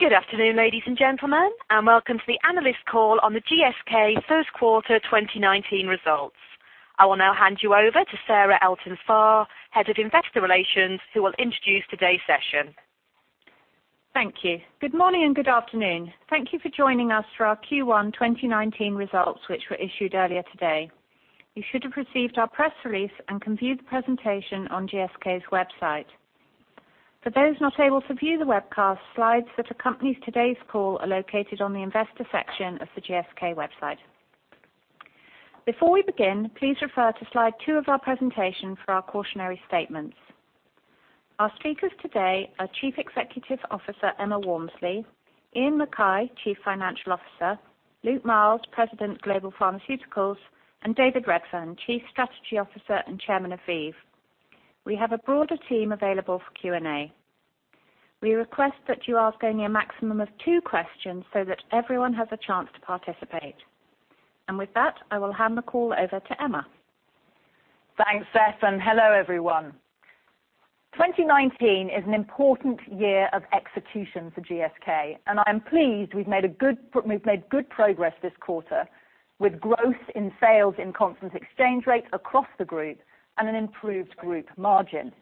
Good afternoon, ladies and gentlemen, and welcome to the analyst call on the GSK first quarter 2019 results. I will now hand you over to Sarah Elton-Farr, Head of Investor Relations, who will introduce today's session. Thank you. Good morning and good afternoon. Thank you for joining us for our Q1 2019 results, which were issued earlier today. You should have received our press release and can view the presentation on GSK's website. For those not able to view the webcast, slides that accompanies today's call are located on the investor section of the GSK website. Before we begin, please refer to slide two of our presentation for our cautionary statements. Our speakers today are Chief Executive Officer, Emma Walmsley, Iain Mackay, Chief Financial Officer, Luke Miels, President of Global Pharmaceuticals, and David Redfern, Chief Strategy Officer and Chairman of ViiV. We have a broader team available for Q&A. We request that you ask only a maximum of two questions so that everyone has a chance to participate. With that, I will hand the call over to Emma. Thanks, Sarah. Hello, everyone. 2019 is an important year of execution for GSK, I am pleased we've made good progress this quarter with growth in sales in constant exchange rate across the group, an improved group margin.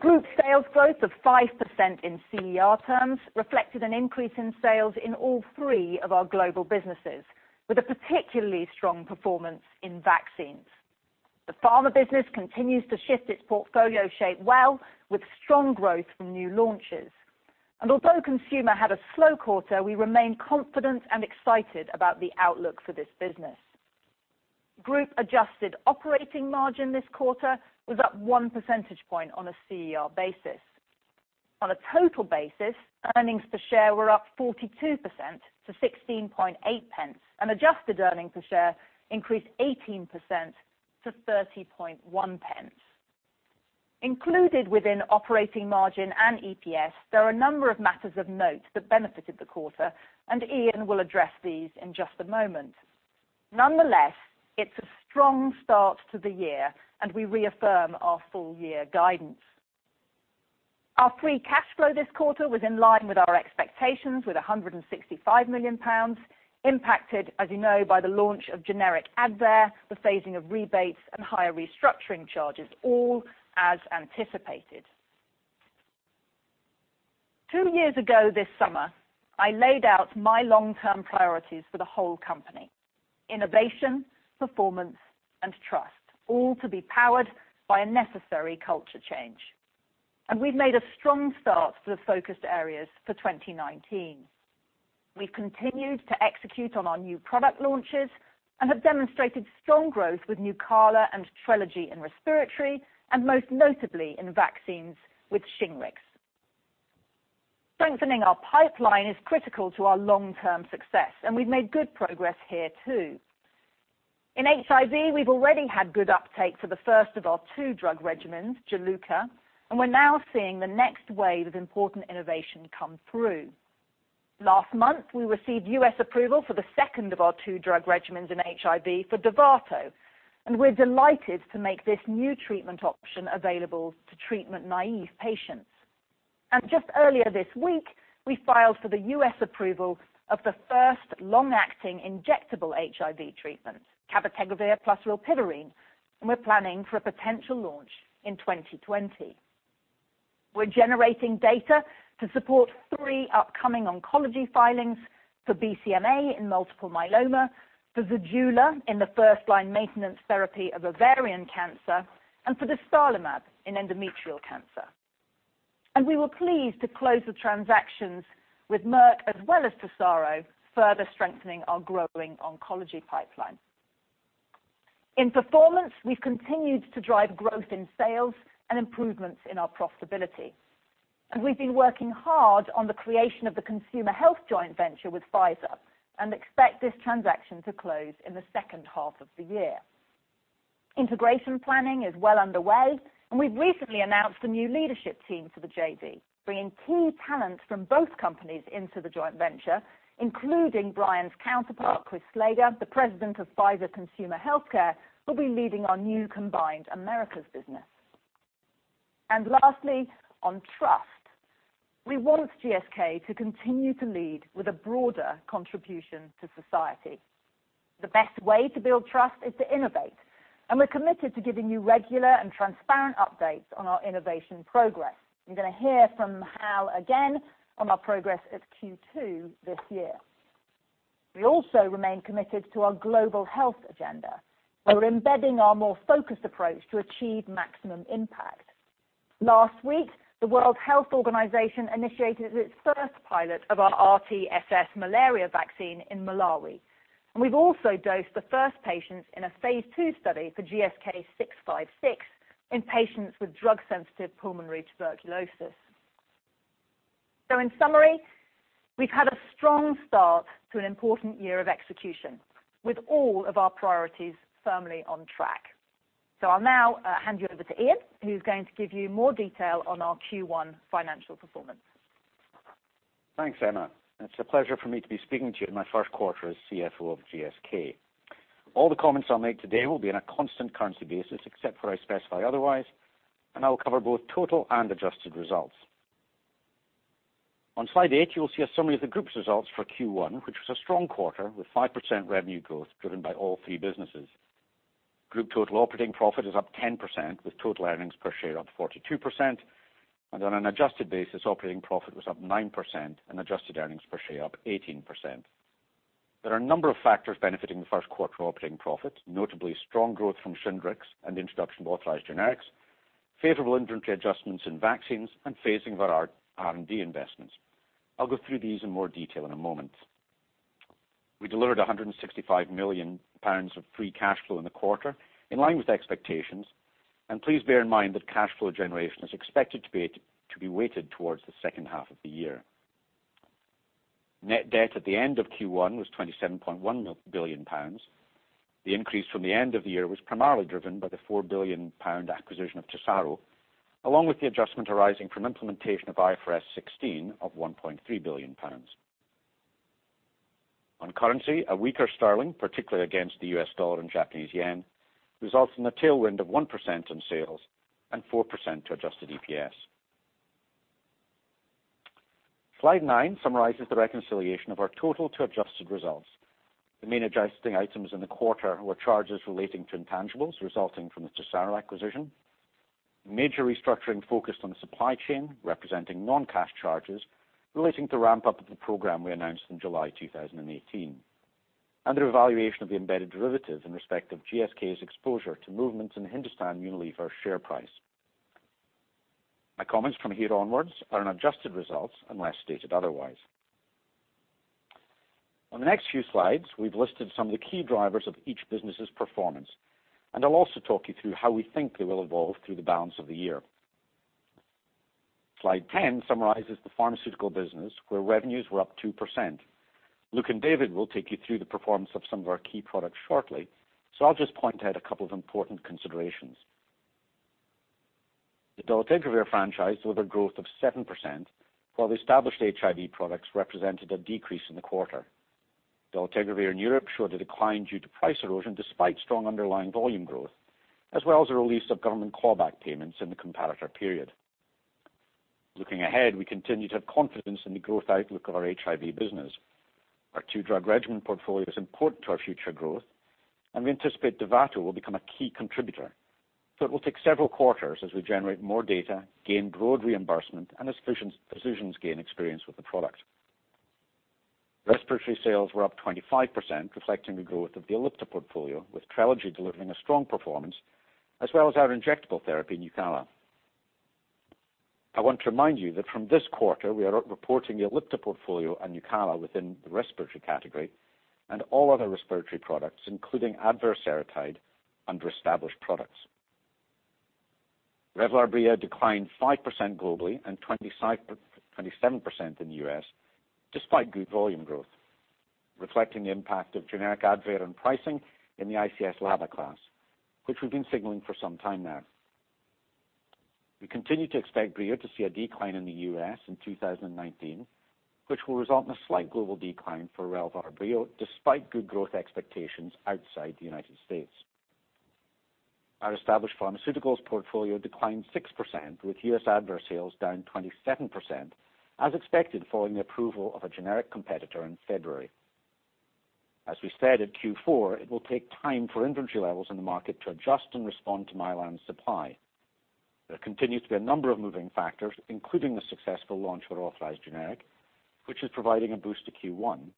Group sales growth of 5% in CER terms reflected an increase in sales in all three of our global businesses, with a particularly strong performance in vaccines. The pharma business continues to shift its portfolio shape well, with strong growth from new launches. Although consumer had a slow quarter, we remain confident and excited about the outlook for this business. Group adjusted operating margin this quarter was up one percentage point on a CER basis. On a total basis, earnings per share were up 42% to 0.168, and adjusted earning per share increased 18% to 0.301. Included within operating margin and EPS, there are a number of matters of note that benefited the quarter, Iain will address these in just a moment. Nonetheless, it's a strong start to the year, we reaffirm our full year guidance. Our free cash flow this quarter was in line with our expectations, with 165 million pounds, impacted, as you know, by the launch of generic ADVAIR, the phasing of rebates, and higher restructuring charges, all as anticipated. Two years ago this summer, I laid out my long-term priorities for the whole company: innovation, performance, and trust, all to be powered by a necessary culture change. We've made a strong start for the focus areas for 2019. We've continued to execute on our new product launches and have demonstrated strong growth with Nucala and Trelegy in respiratory, and most notably in vaccines with Shingrix. Strengthening our pipeline is critical to our long-term success, and we've made good progress here, too. In HIV, we've already had good uptake for the first of our two drug regimens, Juluca, and we're now seeing the next wave of important innovation come through. Last month, we received U.S. approval for the second of our two drug regimens in HIV for Dovato, and we're delighted to make this new treatment option available to treatment-naive patients. Just earlier this week, we filed for the U.S. approval of the first long-acting injectable HIV treatment, cabotegravir plus rilpivirine, and we're planning for a potential launch in 2020. We're generating data to support three upcoming oncology filings for BCMA in multiple myeloma, for Zejula in the first-line maintenance therapy of ovarian cancer, and for dostarlimab in endometrial cancer. We were pleased to close the transactions with Merck as well as Tesaro, further strengthening our growing oncology pipeline. In performance, we've continued to drive growth in sales and improvements in our profitability. We've been working hard on the creation of the consumer health joint venture with Pfizer and expect this transaction to close in the second half of the year. Integration planning is well underway, and we've recently announced a new leadership team for the JV, bringing key talent from both companies into the joint venture, including Brian's counterpart, Chris Slager, the president of Pfizer Consumer Healthcare, who'll be leading our new combined Americas business. Lastly, on trust. We want GSK to continue to lead with a broader contribution to society. The best way to build trust is to innovate, and we're committed to giving you regular and transparent updates on our innovation progress. You're going to hear from Hal again on our progress at Q2 this year. We also remain committed to our global health agenda. We're embedding our more focused approach to achieve maximum impact. Last week, the World Health Organization initiated its first pilot of our RTS,S malaria vaccine in Malawi. We've also dosed the first patients in a phase II study for GSK656 in patients with drug-sensitive pulmonary tuberculosis. In summary, we've had a strong start to an important year of execution, with all of our priorities firmly on track. I'll now hand you over to Iain, who's going to give you more detail on our Q1 financial performance. Thanks, Emma. It's a pleasure for me to be speaking to you in my first quarter as CFO of GSK. All the comments I'll make today will be on a constant currency basis, except where I specify otherwise, and I will cover both total and adjusted results. On slide eight, you will see a summary of the group's results for Q1, which was a strong quarter with 5% revenue growth driven by all three businesses. Group total operating profit is up 10%, with total earnings per share up 42%, and on an adjusted basis, operating profit was up 9% and adjusted earnings per share up 18%. There are a number of factors benefiting the first quarter operating profit, notably strong growth from Shingrix and the introduction of authorized generics, favorable inventory adjustments in vaccines, and phasing of our R&D investments. I'll go through these in more detail in a moment. We delivered 165 million pounds of free cash flow in the quarter in line with expectations. Please bear in mind that cash flow generation is expected to be weighted towards the second half of the year. Net debt at the end of Q1 was 27.1 billion pounds. The increase from the end of the year was primarily driven by the 4 billion pound acquisition of Tesaro, along with the adjustment arising from implementation of IFRS 16 of 1.3 billion pounds. On currency, a weaker sterling, particularly against the US dollar and Japanese yen, results in a tailwind of 1% on sales and 4% to adjusted EPS. Slide 9 summarizes the reconciliation of our total to adjusted results. The main adjusting items in the quarter were charges relating to intangibles resulting from the Tesaro acquisition. Major restructuring focused on the supply chain, representing non-cash charges relating to ramp-up of the program we announced in July 2018. The revaluation of the embedded derivative in respect of GSK's exposure to movements in Hindustan Unilever share price. My comments from here onwards are on adjusted results unless stated otherwise. On the next few slides, we've listed some of the key drivers of each business's performance. I'll also talk you through how we think they will evolve through the balance of the year. Slide 10 summarizes the pharmaceutical business, where revenues were up 2%. Luke and David will take you through the performance of some of our key products shortly, so I'll just point out a couple of important considerations. The dolutegravir franchise saw the growth of 7%, while established HIV products represented a decrease in the quarter. Dolutegravir in Europe showed a decline due to price erosion despite strong underlying volume growth, as well as the release of government callback payments in the comparator period. Looking ahead, we continue to have confidence in the growth outlook of our HIV business. Our two-drug regimen portfolio is important to our future growth. We anticipate Dovato will become a key contributor. It will take several quarters as we generate more data, gain broad reimbursement, and as physicians gain experience with the product. Respiratory sales were up 25%, reflecting the growth of the Ellipta portfolio, with Trelegy delivering a strong performance as well as our injectable therapy, Nucala. I want to remind you that from this quarter, we are reporting the Ellipta portfolio and Nucala within the respiratory category and all other respiratory products, including Advair Seretide, under established products. Relvar Breo declined 5% globally and 27% in the U.S. despite good volume growth, reflecting the impact of generic Advair and pricing in the ICS/LABA class, which we've been signaling for some time now. We continue to expect Breo to see a decline in the U.S. in 2019, which will result in a slight global decline for Relvar Breo, despite good growth expectations outside the U.S. Our established pharmaceuticals portfolio declined 6%, with U.S. Advair sales down 27%, as expected following the approval of a generic competitor in February. As we said in Q4, it will take time for inventory levels in the market to adjust and respond to Mylan's supply. There continues to be a number of moving factors, including the successful launch of our authorized generic, which is providing a boost to Q1,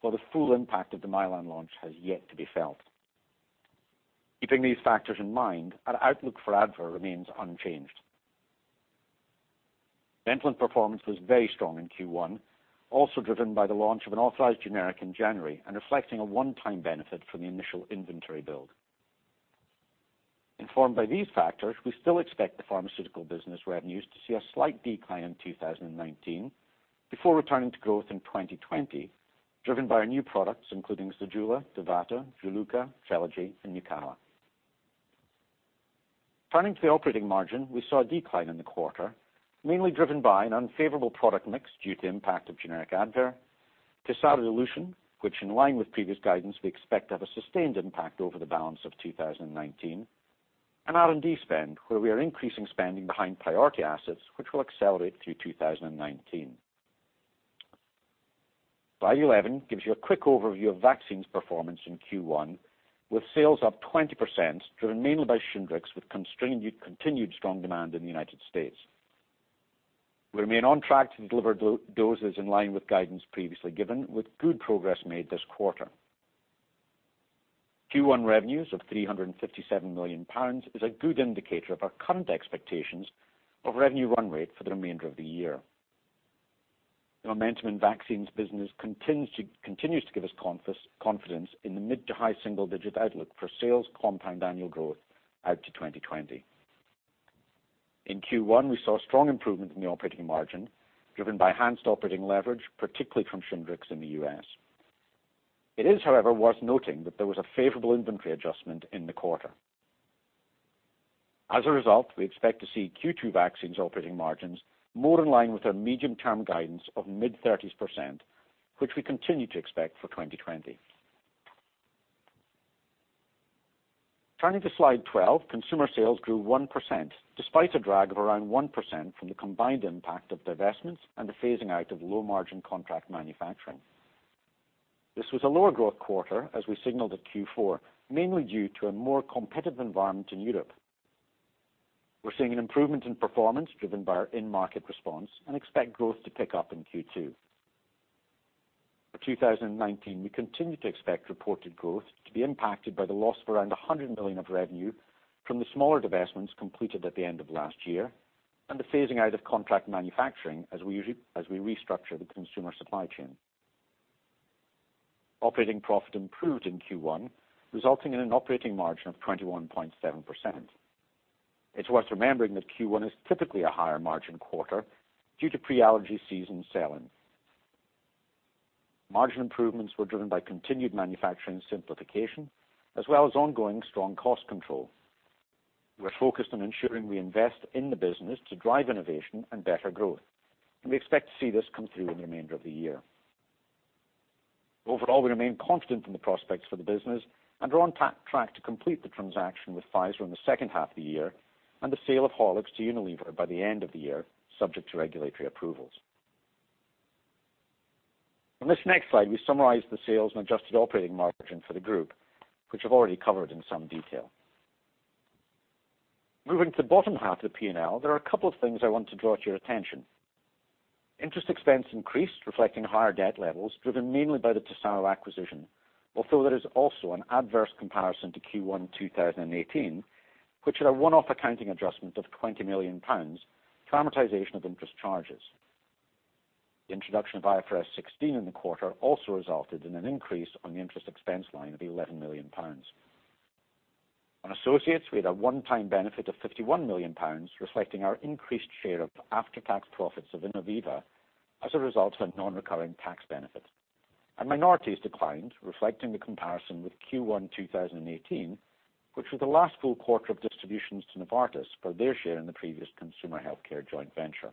while the full impact of the Mylan launch has yet to be felt. Keeping these factors in mind, our outlook for ADVAIR remains unchanged. Ventolin performance was very strong in Q1, also driven by the launch of an authorized generic in January and reflecting a one-time benefit from the initial inventory build. Informed by these factors, we still expect the pharmaceutical business revenues to see a slight decline in 2019 before returning to growth in 2020, driven by our new products, including Zejula, Dovato, Juluca, Trelegy, and Nucala. Turning to the operating margin, we saw a decline in the quarter, mainly driven by an unfavorable product mix due to impact of generic ADVAIR, Tesaro dilution, which in line with previous guidance, we expect to have a sustained impact over the balance of 2019, and R&D spend, where we are increasing spending behind priority assets, which will accelerate through 2019. Slide 11 gives you a quick overview of vaccines performance in Q1, with sales up 20%, driven mainly by Shingrix, with continued strong demand in the U.S. We remain on track to deliver doses in line with guidance previously given with good progress made this quarter. Q1 revenues of 357 million pounds is a good indicator of our current expectations of revenue run rate for the remainder of the year. The momentum in vaccines business continues to give us confidence in the mid to high single-digit outlook for sales compound annual growth out to 2020. In Q1, we saw strong improvement in the operating margin driven by enhanced operating leverage, particularly from Shingrix in the U.S. It is, however, worth noting that there was a favorable inventory adjustment in the quarter. As a result, we expect to see Q2 vaccines operating margins more in line with our medium-term guidance of mid-30s%, which we continue to expect for 2020. Turning to Slide 12, consumer sales grew 1%, despite a drag of around 1% from the combined impact of divestments and the phasing out of low-margin contract manufacturing. This was a lower growth quarter as we signaled at Q4, mainly due to a more competitive environment in Europe. We're seeing an improvement in performance driven by our in-market response and expect growth to pick up in Q2. For 2019, we continue to expect reported growth to be impacted by the loss of around 100 million of revenue from the smaller divestments completed at the end of last year, and the phasing out of contract manufacturing as we restructure the consumer supply chain. Operating profit improved in Q1, resulting in an operating margin of 21.7%. It's worth remembering that Q1 is typically a higher margin quarter due to pre-allergy season selling. Margin improvements were driven by continued manufacturing simplification, as well as ongoing strong cost control. We're focused on ensuring we invest in the business to drive innovation and better growth, and we expect to see this come through in the remainder of the year. Overall, we remain confident in the prospects for the business and are on track to complete the transaction with Pfizer in the second half of the year, and the sale of Horlicks to Unilever by the end of the year, subject to regulatory approvals. On this next slide, we summarize the sales and adjusted operating margin for the group, which I've already covered in some detail. Moving to the bottom half of the P&L, there are a couple of things I want to draw to your attention. Interest expense increased, reflecting higher debt levels driven mainly by the Tesaro acquisition. Although there is also an adverse comparison to Q1 2018, which had a one-off accounting adjustment of 20 million pounds for amortization of interest charges. The introduction of IFRS 16 in the quarter also resulted in an increase on the interest expense line of 11 million pounds. On associates, we had a one-time benefit of 51 million pounds, reflecting our increased share of after-tax profits of Innoviva as a result of a non-recurring tax benefit. Minorities declined, reflecting the comparison with Q1 2018, which was the last full quarter of distributions to Novartis for their share in the previous consumer healthcare joint venture.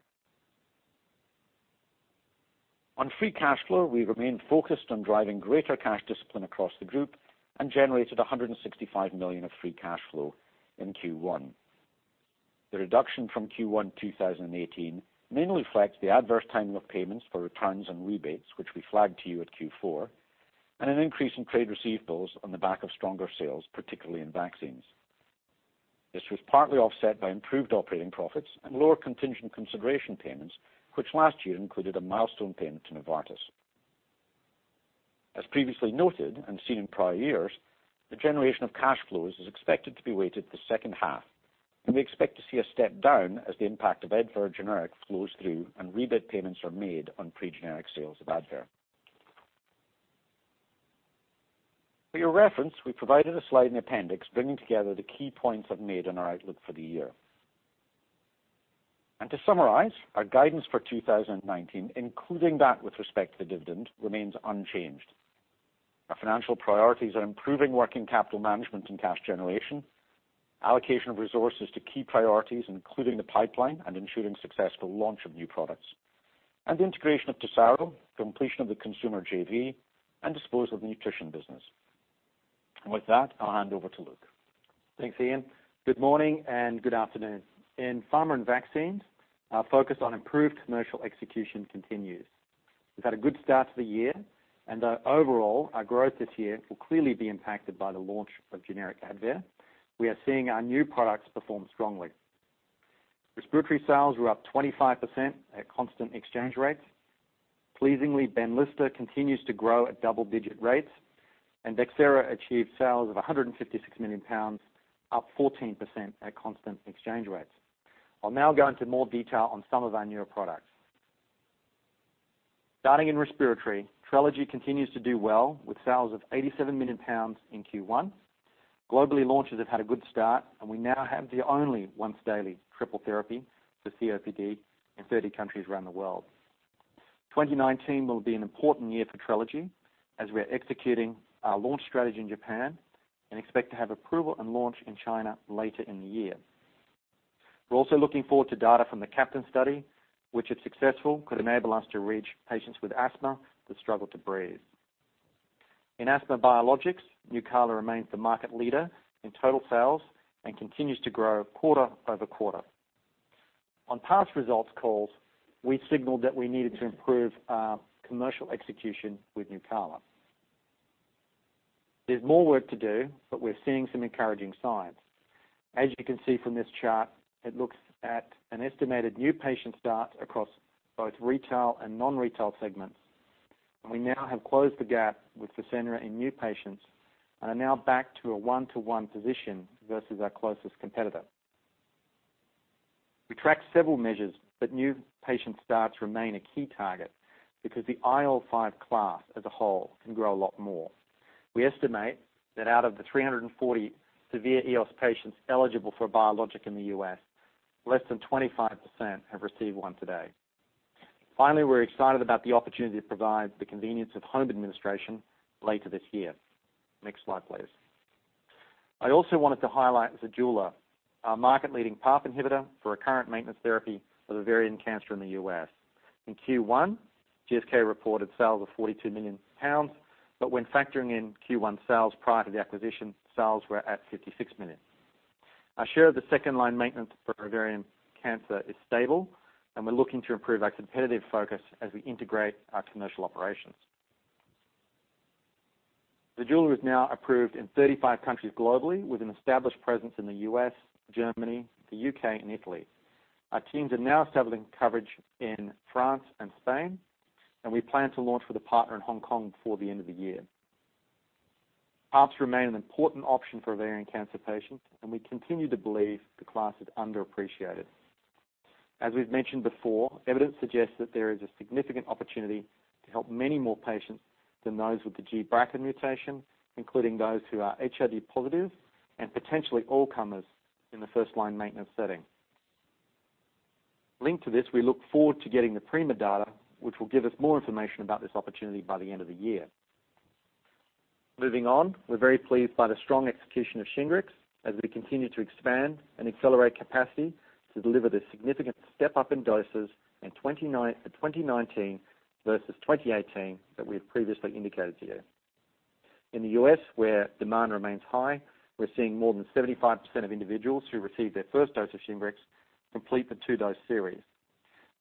On free cash flow, we remain focused on driving greater cash discipline across the group and generated 165 million of free cash flow in Q1. The reduction from Q1 2018 mainly reflects the adverse timing of payments for returns and rebates, which we flagged to you at Q4, and an increase in trade receivables on the back of stronger sales, particularly in vaccines. This was partly offset by improved operating profits and lower contingent consideration payments, which last year included a milestone payment to Novartis. As previously noted and seen in prior years, the generation of cash flows is expected to be weighted to the second half, and we expect to see a step down as the impact of Advair generic flows through and rebate payments are made on pre-generic sales of Advair. For your reference, we provided a slide in the appendix bringing together the key points I've made on our outlook for the year. To summarize, our guidance for 2019, including that with respect to the dividend, remains unchanged. Our financial priorities are improving working capital management and cash generation, allocation of resources to key priorities, including the pipeline and ensuring successful launch of new products, and the integration of Tesaro, completion of the consumer JV, and disposal of nutrition business. With that, I'll hand over to Luke. Thanks, Ian. Good morning and good afternoon. In pharma and vaccines, our focus on improved commercial execution continues. We've had a good start to the year, and though overall, our growth this year will clearly be impacted by the launch of generic Advair, we are seeing our new products perform strongly. Respiratory sales were up 25% at constant exchange rates. Pleasingly, BENLYSTA continues to grow at double-digit rates, and Relvar Breo achieved sales of 156 million pounds, up 14% at constant exchange rates. I'll now go into more detail on some of our newer products. Starting in respiratory, Trelegy continues to do well, with sales of 87 million pounds in Q1. Globally, launches have had a good start, and we now have the only once-daily triple therapy for COPD in 30 countries around the world. 2019 will be an important year for Trelegy, as we're executing our launch strategy in Japan and expect to have approval and launch in China later in the year. We're also looking forward to data from the CAPTAIN study, which, if successful, could enable us to reach patients with asthma that struggle to breathe. In asthma biologics, Nucala remains the market leader in total sales and continues to grow quarter-over-quarter. On past results calls, we signaled that we needed to improve our commercial execution with Nucala. There's more work to do, but we're seeing some encouraging signs. As you can see from this chart, it looks at an estimated new patient start across both retail and non-retail segments. We now have closed the gap with FASENRA in new patients and are now back to a one-to-one position versus our closest competitor. We track several measures, but new patient starts remain a key target because the IL-5 class as a whole can grow a lot more. We estimate that out of the 340 severe EOS patients eligible for a biologic in the U.S., less than 25% have received one today. Finally, we're excited about the opportunity to provide the convenience of home administration later this year. Next slide, please. I also wanted to highlight Zejula, our market-leading PARP inhibitor for recurrent maintenance therapy for ovarian cancer in the U.S. In Q1, GSK reported sales of 42 million pounds, but when factoring in Q1 sales prior to the acquisition, sales were at 56 million. Our share of the second-line maintenance for ovarian cancer is stable. We're looking to improve our competitive focus as we integrate our commercial operations. Zejula is now approved in 35 countries globally, with an established presence in the U.S., Germany, the U.K., and Italy. Our teams are now establishing coverage in France and Spain. We plan to launch with a partner in Hong Kong before the end of the year. PARPs remain an important option for ovarian cancer patients. We continue to believe the class is underappreciated. As we've mentioned before, evidence suggests that there is a significant opportunity to help many more patients than those with the gBRCA mutation, including those who are HIV positive and potentially all comers in the first-line maintenance setting. Linked to this, we look forward to getting the PRIMA data, which will give us more information about this opportunity by the end of the year. Moving on, we're very pleased by the strong execution of Shingrix as we continue to expand and accelerate capacity to deliver this significant step-up in doses in 2019 versus 2018 that we have previously indicated to you. In the U.S., where demand remains high, we're seeing more than 75% of individuals who receive their first dose of Shingrix complete the two-dose series.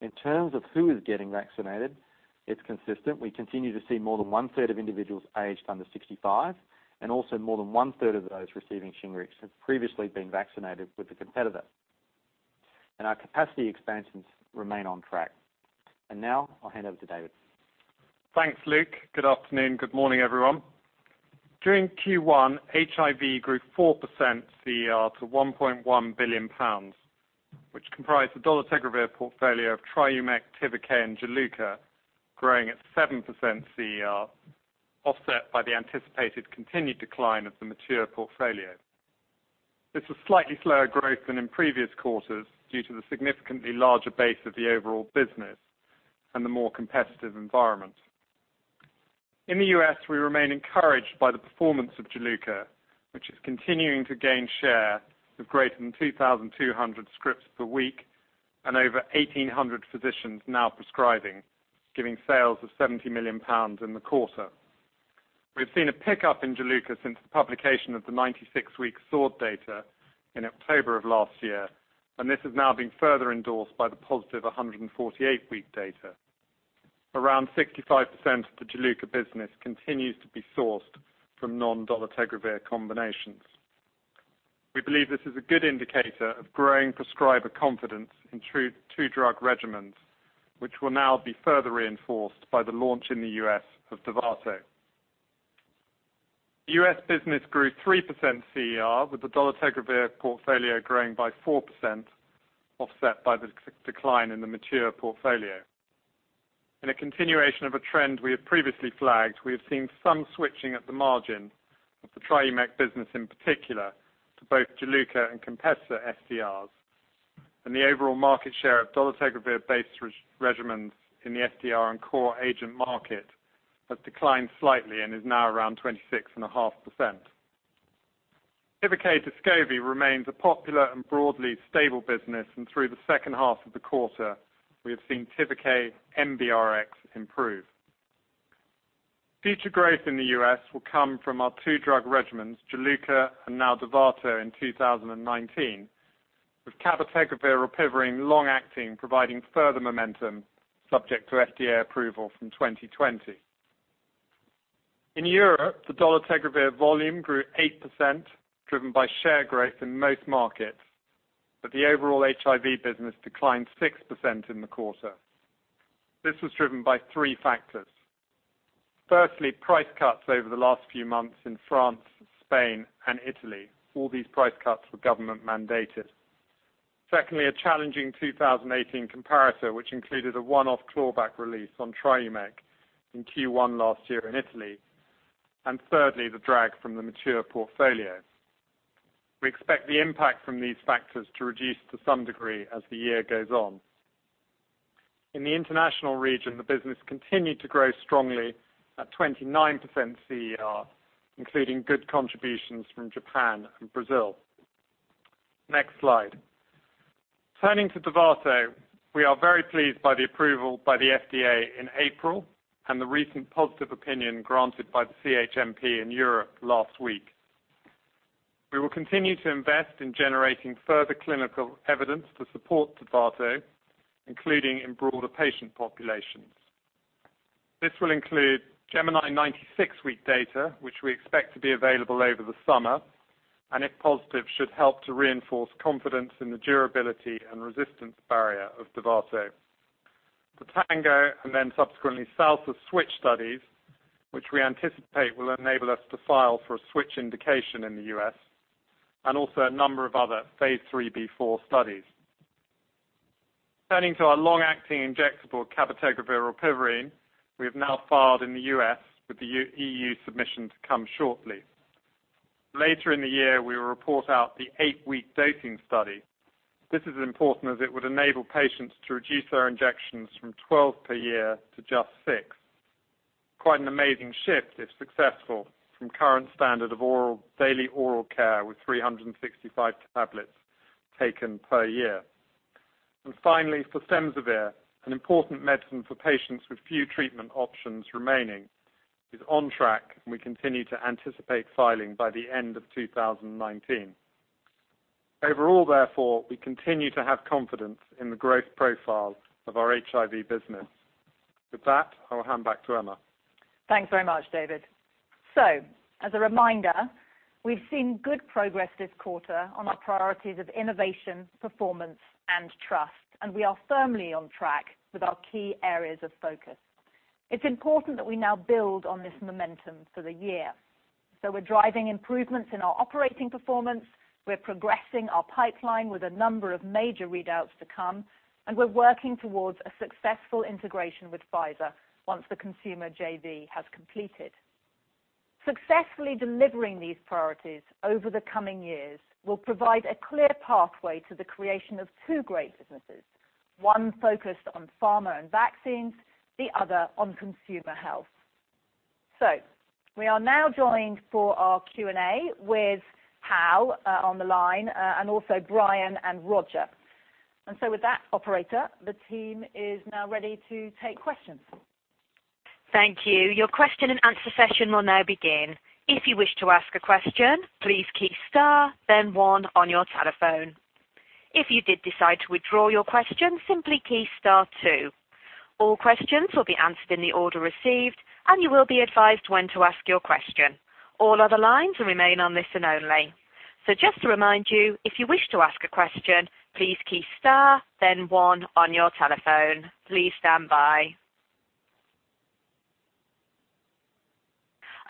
In terms of who is getting vaccinated, it's consistent. We continue to see more than one-third of individuals aged under 65, and also more than one-third of those receiving Shingrix have previously been vaccinated with a competitor. Our capacity expansions remain on track. Now I'll hand over to David. Thanks, Luke. Good afternoon. Good morning, everyone. During Q1, HIV grew 4% CER to 1.1 billion pounds, which comprised the dolutegravir portfolio of Triumeq, Tivicay, and Juluca growing at 7% CER, offset by the anticipated continued decline of the mature portfolio. It's a slightly slower growth than in previous quarters due to the significantly larger base of the overall business and the more competitive environment. In the U.S., we remain encouraged by the performance of Juluca, which is continuing to gain share with greater than 2,200 scripts per week and over 1,800 physicians now prescribing, giving sales of 70 million pounds in the quarter. We've seen a pickup in Juluca since the publication of the 96-week SWORD data in October of last year, and this has now been further endorsed by the positive 148-week data. Around 65% of the Juluca business continues to be sourced from non-dolutegravir combinations. We believe this is a good indicator of growing prescriber confidence in two drug regimens, which will now be further reinforced by the launch in the U.S. of Dovato. The U.S. business grew 3% CER, with the dolutegravir portfolio growing by 4%, offset by the decline in the mature portfolio. In a continuation of a trend we have previously flagged, we have seen some switching at the margin of the Triumeq business in particular, to both Juluca and competitor STRs. The overall market share of dolutegravir base regimens in the STR and core agent market has declined slightly and is now around 26.5%. Tivicay/Descovy remains a popular and broadly stable business, and through the second half of the quarter, we have seen Tivicay NBRx improve. Future growth in the U.S. will come from our two drug regimens, Juluca and now Dovato in 2019, with cabotegravir/rilpivirine long acting providing further momentum subject to FDA approval from 2020. In Europe, the dolutegravir volume grew 8%, driven by share growth in most markets, but the overall HIV business declined 6% in the quarter. This was driven by three factors. Firstly, price cuts over the last few months in France, Spain, and Italy. All these price cuts were government mandated. Secondly, a challenging 2018 comparator, which included a one-off clawback release on Triumeq in Q1 last year in Italy. Thirdly, the drag from the mature portfolio. We expect the impact from these factors to reduce to some degree as the year goes on. In the international region, the business continued to grow strongly at 29% CER, including good contributions from Japan and Brazil. Next slide. Turning to Dovato, we are very pleased by the approval by the FDA in April and the recent positive opinion granted by the CHMP in Europe last week. We will continue to invest in generating further clinical evidence to support Dovato, including in broader patient populations. This will include GEMINI 96-week data, which we expect to be available over the summer, and if positive, should help to reinforce confidence in the durability and resistance barrier of Dovato. The TANGO, and then subsequently SALSA Switch studies, which we anticipate will enable us to file for a switch indication in the U.S., and also a number of other phase III, B4 studies. Turning to our long-acting injectable cabotegravir/rilpivirine, we have now filed in the U.S. with the EU submission to come shortly. Later in the year, we will report out the eight-week dosing study. This is important as it would enable patients to reduce their injections from 12 per year to just 6. Quite an amazing shift, if successful, from current standard of daily oral care with 365 tablets taken per year. Finally, for fostemsavir, an important medicine for patients with few treatment options remaining, is on track, and we continue to anticipate filing by the end of 2019. Overall, therefore, we continue to have confidence in the growth profile of our HIV business. With that, I will hand back to Emma. Thanks very much, David. As a reminder, we've seen good progress this quarter on our priorities of innovation, performance, and trust, and we are firmly on track with our key areas of focus. It's important that we now build on this momentum for the year. We're driving improvements in our operating performance, we're progressing our pipeline with a number of major readouts to come, and we're working towards a successful integration with Pfizer once the consumer JV has completed. Successfully delivering these priorities over the coming years will provide a clear pathway to the creation of two great businesses, one focused on pharma and vaccines, the other on consumer health. We are now joined for our Q&A with Hal on the line and also Brian and Roger. With that, operator, the team is now ready to take questions. Thank you. Your question and answer session will now begin. If you wish to ask a question, please key star then one on your telephone. If you did decide to withdraw your question, simply key star two. All questions will be answered in the order received, and you will be advised when to ask your question. All other lines will remain on listen only. Just to remind you, if you wish to ask a question, please key star, then one on your telephone. Please stand by.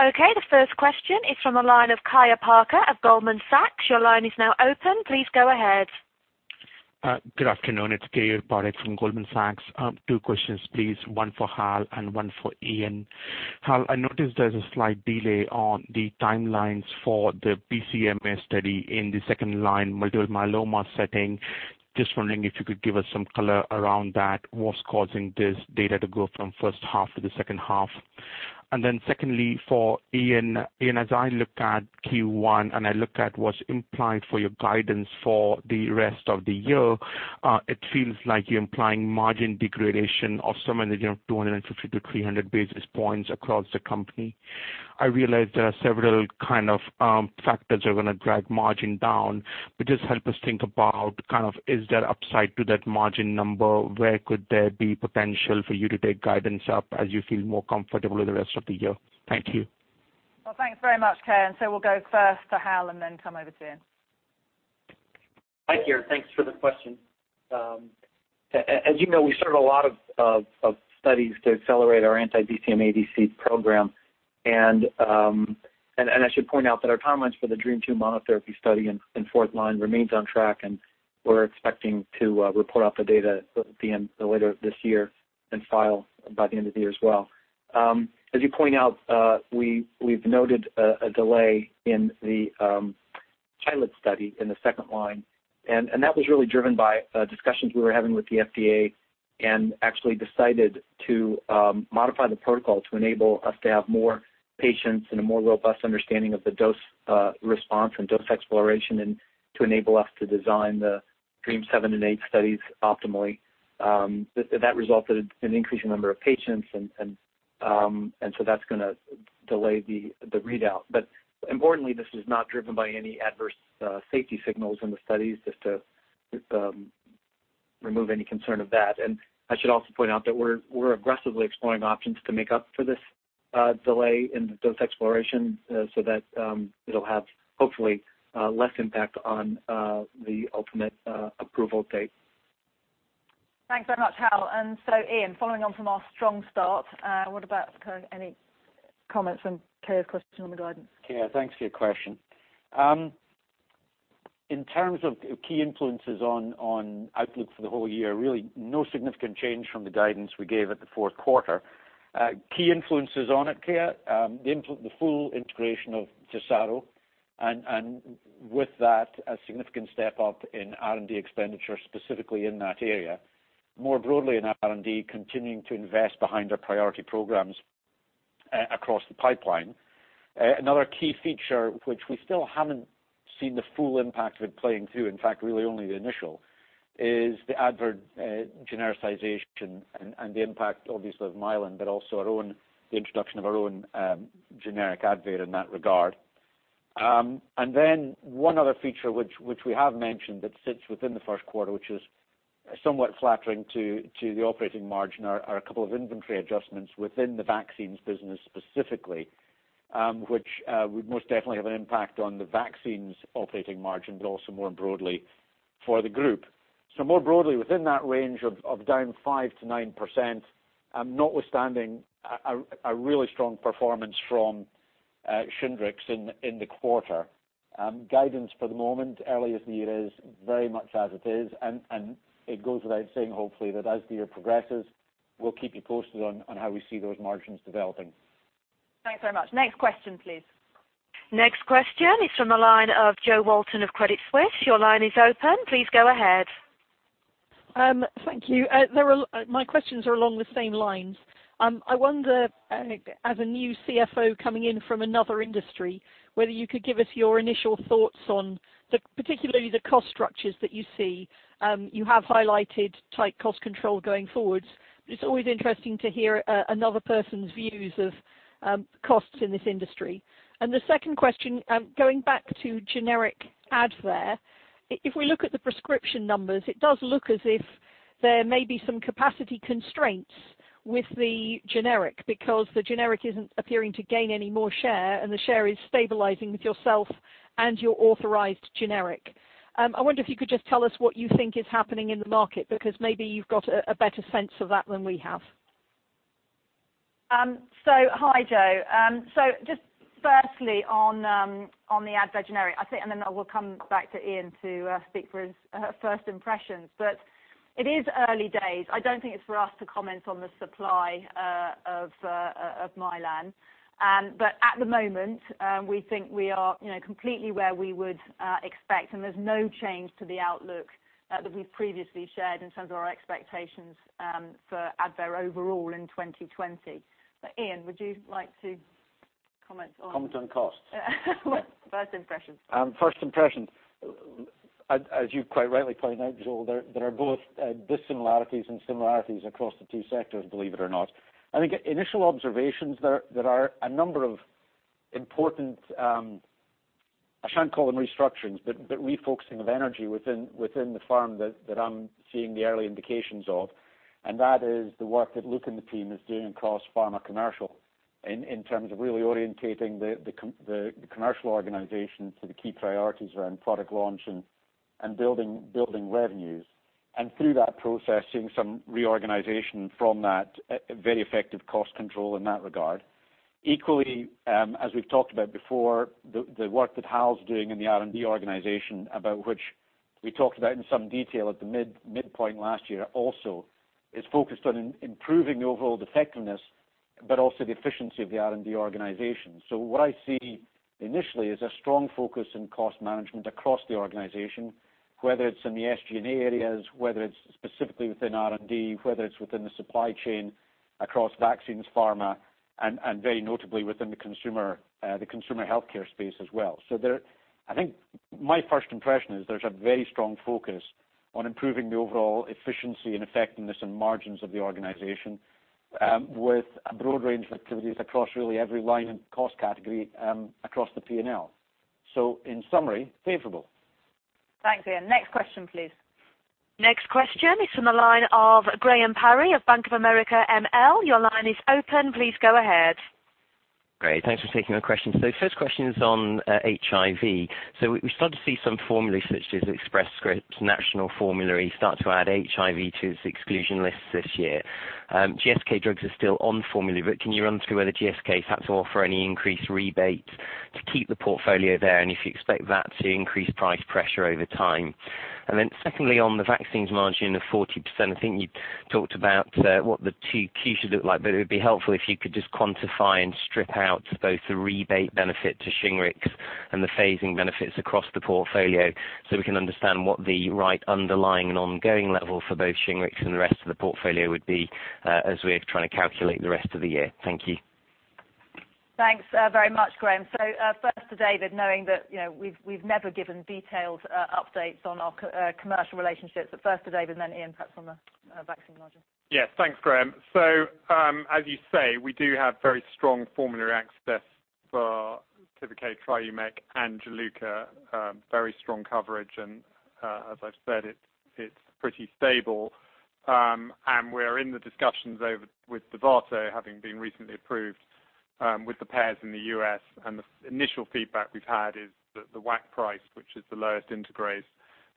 Okay, the first question is from the line of Keyur Parekh at Goldman Sachs. Your line is now open. Please go ahead. Good afternoon. It's Keyur Parekh from Goldman Sachs. Two questions, please. One for Hal and one for Ian. Hal, I noticed there's a slight delay on the timelines for the BCMA study in the second-line multiple myeloma setting. Just wondering if you could give us some color around that. What's causing this data to go from first half to the second half? Secondly, for Ian, as I looked at Q1, and I looked at what's implied for your guidance for the rest of the year, it feels like you're implying margin degradation of some in the region of 250-300 basis points across the company. I realize there are several kind of factors are going to drag margin down, just help us think about kind of is there upside to that margin number, where could there be potential for you to take guidance up as you feel more comfortable with the rest of the year? Thank you. Well, thanks very much, Keyur, we'll go first to Hal and then come over to Iain. Hi, Keyur. Thanks for the question. As you know, we started a lot of studies to accelerate our anti-BCMA ADC program. I should point out that our timelines for the DREAMM-2 monotherapy study in 4th line remains on track, we're expecting to report out the data at the end later this year in file by the end of the year as well. As you point out, we've noted a delay in the pilot study in the 2nd line, that was really driven by discussions we were having with the FDA and actually decided to modify the protocol to enable us to have more patients and a more robust understanding of the dose response and dose exploration and to enable us to design the DREAMM-7 and 8 studies optimally. That resulted in an increasing number of patients, so that's going to delay the readout. Importantly, this is not driven by any adverse safety signals in the studies, just to remove any concern of that. I should also point out that we're aggressively exploring options to make up for this delay in the dose exploration so that it'll have hopefully less impact on the ultimate approval date. Thanks very much, Hal. Iain, following on from our strong start, what about kind of any comments from Keyur's question on the guidance? Keyur, thanks for your question. In terms of key influences on outlook for the whole year, really no significant change from the guidance we gave at the fourth quarter. Key influences on it, Keyur, the full integration of Tesaro, and with that, a significant step up in R&D expenditure, specifically in that area. More broadly in R&D, continuing to invest behind our priority programs across the pipeline. Another key feature, which we still haven't seen the full impact of it playing to, in fact, really only the initial, is the ADVAIR genericization and the impact obviously of Mylan, but also the introduction of our own generic ADVAIR in that regard. One other feature which we have mentioned that sits within the first quarter, which is somewhat flattering to the operating margin, are a couple of inventory adjustments within the vaccines business specifically, which would most definitely have an impact on the vaccines operating margin, but also more broadly for the group. More broadly, within that range of down 5%-9%, notwithstanding a really strong performance from Shingrix in the quarter. Guidance for the moment early as the year is very much as it is, and it goes without saying, hopefully, that as the year progresses, we'll keep you posted on how we see those margins developing. Thanks very much. Next question, please. Next question is from the line of Jo Walton of Credit Suisse. Your line is open. Please go ahead. Thank you. My questions are along the same lines. I wonder, as a new CFO coming in from another industry, whether you could give us your initial thoughts on particularly the cost structures that you see. You have highlighted tight cost control going forwards, it's always interesting to hear another person's views of costs in this industry. The second question, going back to generic ADVAIR, if we look at the prescription numbers, it does look as if there may be some capacity constraints with the generic, because the generic isn't appearing to gain any more share, and the share is stabilizing with yourself and your authorized generic. I wonder if you could just tell us what you think is happening in the market, because maybe you've got a better sense of that than we have. Hi Jo. Just firstly on the ADVAIR generic, and then I will come back to Iain to speak for his first impressions. It is early days. I don't think it's for us to comment on the supply of Mylan. At the moment, we think we are completely where we would expect, and there's no change to the outlook that we've previously shared in terms of our expectations for ADVAIR overall in 2020. Iain, would you like to comment on- Comment on costs? First impressions. First impressions. As you quite rightly point out, Jo, there are both dissimilarities and similarities across the two sectors, believe it or not. I think initial observations, there are a number of important, I shan't call them restructurings, but refocusing of energy within the pharma that I'm seeing the early indications of, and that is the work that Luke and the team is doing across pharma commercial in terms of really orientating the commercial organization to the key priorities around product launch and building revenues. Through that process, seeing some reorganization from that, very effective cost control in that regard. Equally, as we've talked about before, the work that Hal's doing in the R&D organization, about which we talked about in some detail at the midpoint last year also, is focused on improving the overall effectiveness but also the efficiency of the R&D organization. What I see initially is a strong focus in cost management across the organization, whether it's in the SG&A areas, whether it's specifically within R&D, whether it's within the supply chain, across vaccines, pharma, and very notably within the consumer healthcare space as well. I think my first impression is there's a very strong focus on improving the overall efficiency and effectiveness and margins of the organization, with a broad range of activities across really every line and cost category across the P&L. In summary, favorable. Thanks, Iain. Next question, please. Next question is from the line of Graham Parry of Bank of America ML. Your line is open. Please go ahead. Great. Thanks for taking the question. First question is on HIV. We start to see some formularies, such as Express Scripts National Formulary, start to add HIV to its exclusion lists this year. GSK drugs are still on formulary, but can you run through whether GSK has had to offer any increased rebates to keep the portfolio there, and if you expect that to increase price pressure over time? Secondly, on the vaccines margin of 40%, I think you talked about what the 2Q should look like, but it would be helpful if you could just quantify and strip out both the rebate benefit to Shingrix and the phasing benefits across the portfolio so we can understand what the right underlying and ongoing level for both Shingrix and the rest of the portfolio would be as we're trying to calculate the rest of the year. Thank you. Thanks very much, Graham. First to David, knowing that we've never given detailed updates on our commercial relationships, but first to David and then Iain, perhaps, on the vaccine margin. Yes. Thanks, Graham. As you say, we do have very strong formulary access for Tivicay, Triumeq, and Juluca. Very strong coverage, and as I've said, it's pretty stable. We're in the discussions over with Dovato having been recently approved with the payers in the U.S., and the initial feedback we've had is that the WAC price, which is the lowest integrase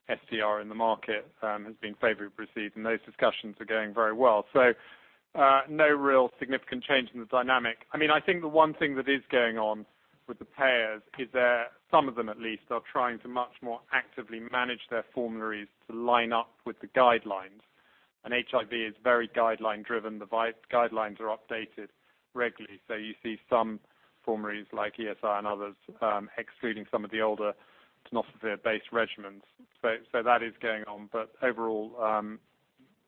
STR in the market, has been favorably received, and those discussions are going very well. No real significant change in the dynamic. I think the one thing that is going on with the payers is that some of them, at least, are trying to much more actively manage their formularies to line up with the guidelines. HIV is very guideline driven. The guidelines are updated regularly. You see some formularies like ESI and others excluding some of the older tenofovir-based regimens. That is going on. Overall,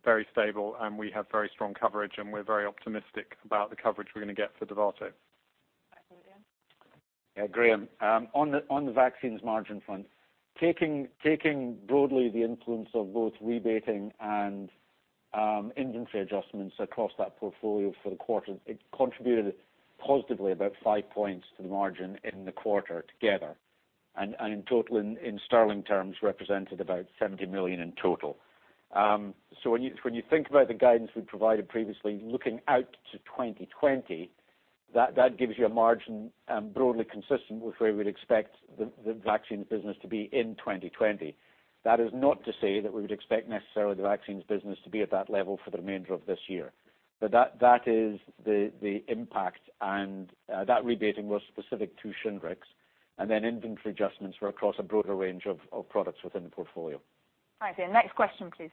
very stable, and we have very strong coverage, and we're very optimistic about the coverage we're going to get for Dovato. Back over to Iain. Yeah, Graham. On the vaccines margin front, taking broadly the influence of both rebating and inventory adjustments across that portfolio for the quarter, it contributed positively about five points to the margin in the quarter together. In total, in sterling terms, represented about 70 million in total. When you think about the guidance we provided previously, looking out to 2020, that gives you a margin broadly consistent with where we'd expect the vaccines business to be in 2020. That is not to say that we would expect necessarily the vaccines business to be at that level for the remainder of this year. That is the impact, and that rebating was specific to Shingrix. Inventory adjustments were across a broader range of products within the portfolio. Thanks, Ian. Next question, please.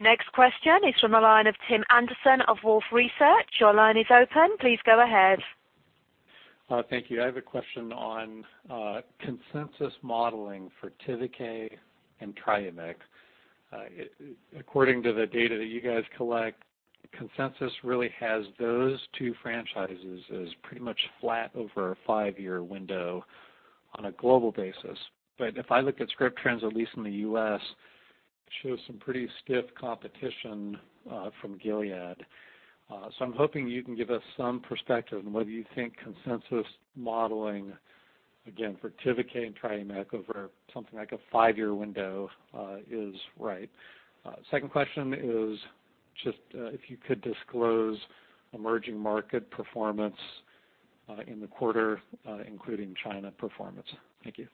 Next question is from the line of Tim Anderson of Wolfe Research. Your line is open. Please go ahead. Thank you. I have a question on consensus modeling for Tivicay and Triumeq. According to the data that you guys collect, consensus really has those two franchises as pretty much flat over a five-year window on a global basis. If I look at script trends, at least in the U.S., it shows some pretty stiff competition from Gilead. I'm hoping you can give us some perspective on whether you think consensus modeling, again for Tivicay and Triumeq, over something like a five-year window is right. Second question is just if you could disclose emerging market performance in the quarter, including China performance. Thank you.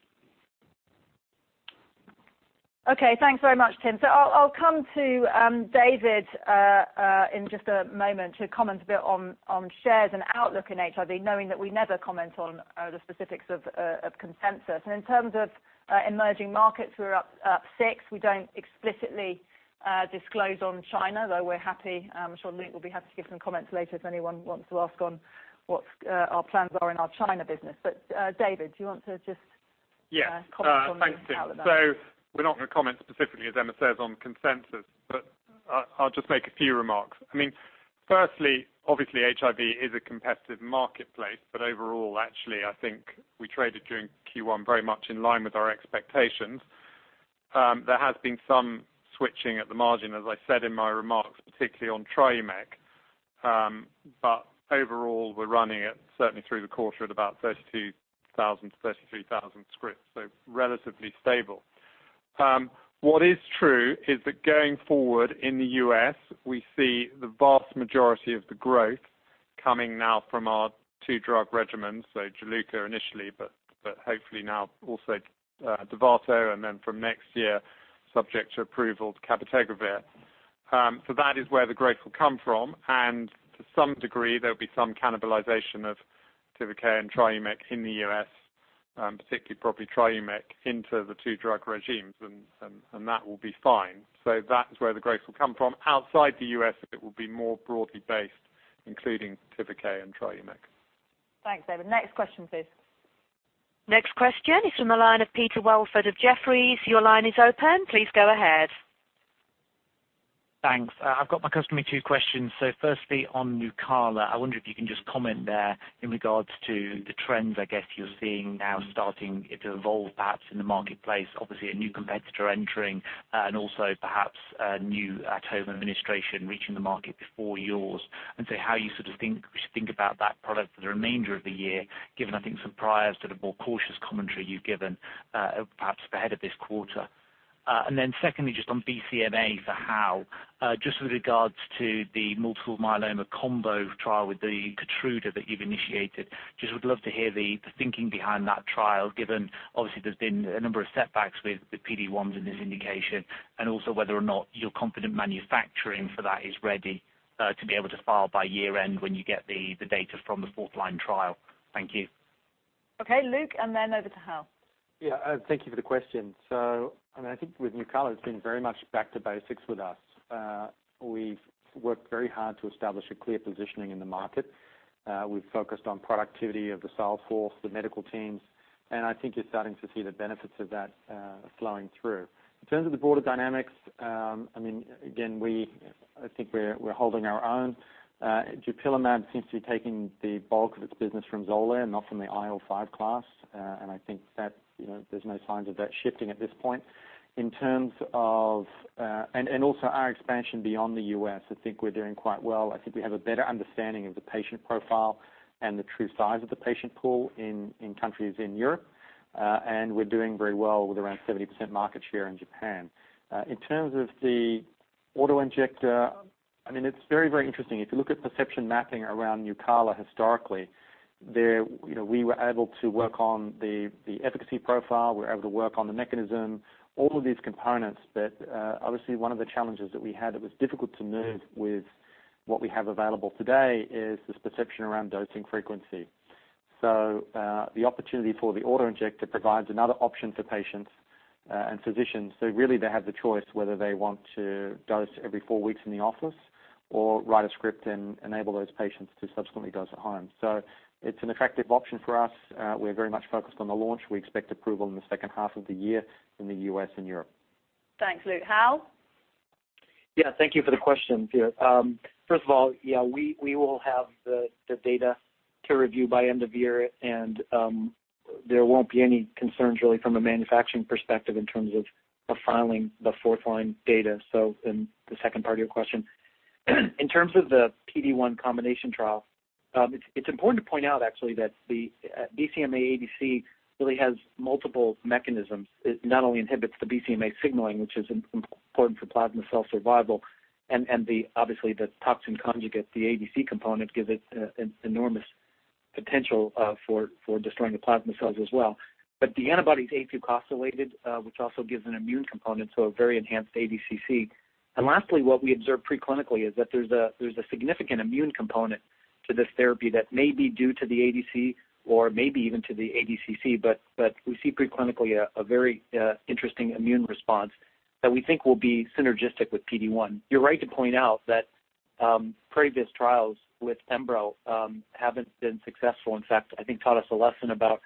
Okay. Thanks very much, Tim. I'll come to David in just a moment to comment a bit on shares and outlook in HIV, knowing that we never comment on the specifics of consensus. In terms of emerging markets, we're up six. We don't explicitly disclose on China, though I'm sure Luke will be happy to give some comments later if anyone wants to ask on what our plans are in our China business. David, do you want to just comment on the outlook? Yeah. Thanks, Tim. We're not going to comment specifically, as Emma says, on consensus. I'll just make a few remarks. Firstly, obviously HIV is a competitive marketplace. Overall, actually, I think we traded during Q1 very much in line with our expectations. There has been some switching at the margin, as I said in my remarks, particularly on Triumeq. Overall, we're running it certainly through the quarter at about 32,000 to 33,000 scripts, so relatively stable. What is true is that going forward in the U.S., we see the vast majority of the growth coming now from our two-drug regimens, so Juluca initially, but hopefully now also Dovato, and then from next year, subject to approval, cabotegravir. That is where the growth will come from. To some degree, there'll be some cannibalization of Tivicay and Triumeq in the U.S., particularly probably Triumeq into the two-drug regimens, and that will be fine. That is where the growth will come from. Outside the U.S., it will be more broadly based, including Tivicay and Triumeq. Thanks, David. Next question please. Next question is from the line of Peter Welford of Jefferies. Your line is open. Please go ahead. Thanks. I've got my customary two questions. Firstly, on Nucala, I wonder if you can just comment there in regards to the trends I guess you're seeing now starting it to evolve, perhaps, in the marketplace. Obviously, a new competitor entering, and also perhaps a new at-home administration reaching the market before yours, and say how you should think about that product for the remainder of the year, given, I think, some prior sort of more cautious commentary you've given, perhaps ahead of this quarter. Secondly, just on BCMA for Hal, just with regards to the multiple myeloma combo trial with the Keytruda that you've initiated. Just would love to hear the thinking behind that trial, given obviously there's been a number of setbacks with the PD-1s in this indication, and also whether or not you're confident manufacturing for that is ready to be able to file by year-end when you get the data from the fourth line trial. Thank you. Okay, Luke. Then over to Hal. Thank you for the question. I think with Nucala, it's been very much back to basics with us. We've worked very hard to establish a clear positioning in the market. We've focused on productivity of the sales force, the medical teams, I think you're starting to see the benefits of that flowing through. In terms of the broader dynamics, again, I think we're holding our own. DUPIXENT seems to be taking the bulk of its business from XOLAIR and not from the IL-5 class. I think that there's no signs of that shifting at this point. Also our expansion beyond the U.S., I think we're doing quite well. I think we have a better understanding of the patient profile and the true size of the patient pool in countries in Europe. We're doing very well with around 70% market share in Japan. In terms of the auto-injector, it's very, very interesting. If you look at perception mapping around Nucala historically, we were able to work on the efficacy profile, we were able to work on the mechanism, all of these components. Obviously one of the challenges that we had that was difficult to move with what we have available today is this perception around dosing frequency. The opportunity for the auto-injector provides another option for patients and physicians. Really they have the choice whether they want to dose every four weeks in the office or write a script and enable those patients to subsequently dose at home. It's an effective option for us. We're very much focused on the launch. We expect approval in the second half of the year in the U.S. and Europe. Thanks, Luke. Hal? Thank you for the question. First of all, we will have the data to review by end of year, there won't be any concerns really from a manufacturing perspective in terms of filing the fourth line data. In the second part of your question. In terms of the PD-1 combination trial, it's important to point out actually that the BCMA ADC really has multiple mechanisms. It not only inhibits the BCMA signaling, which is important for plasma cell survival, obviously the toxin conjugate, the ADC component, gives it enormous potential for destroying the plasma cells as well. The antibody is afucosylated, which also gives an immune component, a very enhanced ADCC. Lastly, what we observe preclinically is that there's a significant immune component to this therapy that may be due to the ADC or maybe even to the ADCC, but we see preclinically a very interesting immune response that we think will be synergistic with PD-1. You're right to point out that previous trials with pembrolizumab haven't been successful. In fact, I think taught us a lesson about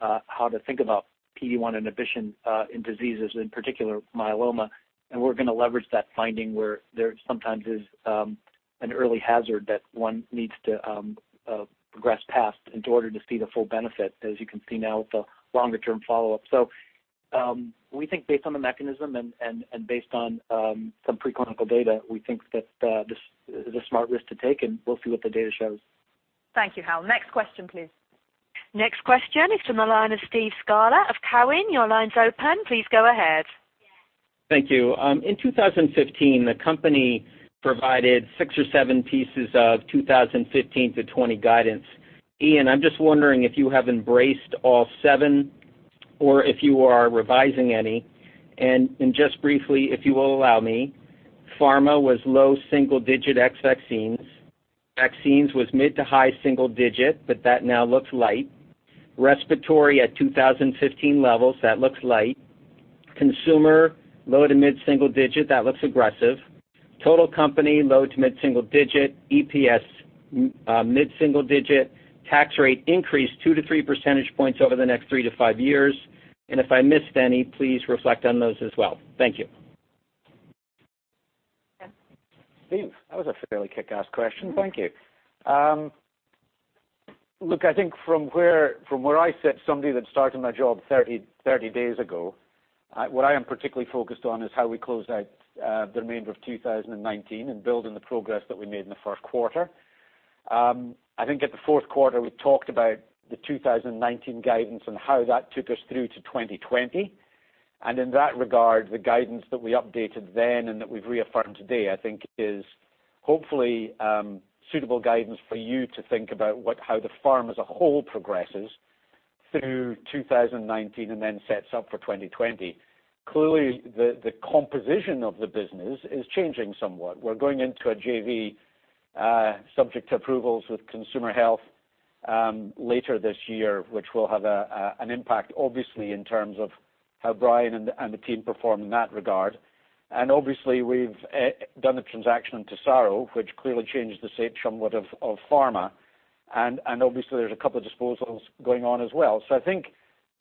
how to think about PD-1 inhibition in diseases, in particular myeloma. We're going to leverage that finding where there sometimes is an early hazard that one needs to progress past in order to see the full benefit, as you can see now with the longer-term follow-up. We think based on the mechanism and based on some preclinical data, we think that this is a smart risk to take, and we'll see what the data shows. Thank you, Hal. Next question, please. Next question is from the line of Steve Scala of Cowen. Your line's open. Please go ahead. Thank you. In 2015, the company provided six or seven pieces of 2015 to 2020 guidance. Ian, I'm just wondering if you have embraced all seven or if you are revising any. Just briefly, if you will allow me, pharma was low single-digit ex-vaccines. Vaccines was mid-to-high single-digit, but that now looks light. Respiratory at 2015 levels, that looks light. Consumer, low-to-mid single-digit, that looks aggressive. Total company, low-to-mid single-digit. EPS, mid-single-digit. Tax rate increase two to three percentage points over the next three to five years. If I missed any, please reflect on those as well. Thank you. Ian? Steve, that was a fairly kickass question. Thank you. Look, I think from where I sit, somebody that started my job 30 days ago, what I am particularly focused on is how we close out the remainder of 2019 and building the progress that we made in the first quarter. I think at the fourth quarter, we talked about the 2019 guidance and how that took us through to 2020, and in that regard, the guidance that we updated then and that we've reaffirmed today, I think is hopefully suitable guidance for you to think about how the firm as a whole progresses through 2019 and then sets up for 2020. Clearly, the composition of the business is changing somewhat. We're going into a JV subject to approvals with Consumer Health later this year, which will have an impact, obviously, in terms of how Brian and the team perform in that regard. Obviously, we've done the transaction in Tesaro, which clearly changed the shape somewhat of pharma, and obviously, there's a couple of disposals going on as well. I think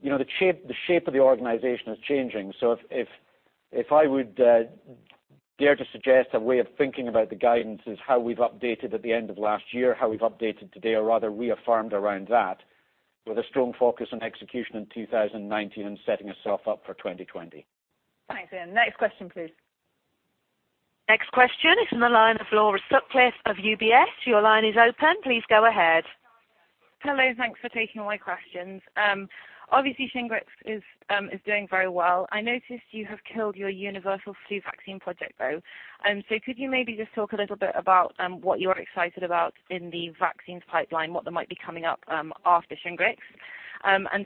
the shape of the organization is changing. If I would dare to suggest a way of thinking about the guidance is how we've updated at the end of last year, how we've updated today, or rather reaffirmed around that, with a strong focus on execution in 2019 and setting ourselves up for 2020. Thanks, Iain. Next question, please. Next question is from the line of Laura Sutcliffe of UBS. Your line is open. Please go ahead. Hello, thanks for taking my questions. Obviously, Shingrix is doing very well. I noticed you have killed your universal flu vaccine project, though. Could you maybe just talk a little bit about what you're excited about in the vaccines pipeline, what might be coming up after Shingrix?